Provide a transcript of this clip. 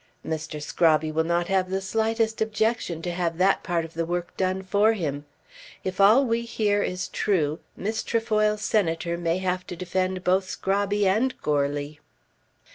"Mr. Scrobby will not have the slightest objection to have that part of the work done for him. If all we hear is true Miss Trefoil's Senator may have to defend both Scrobby and Goarly."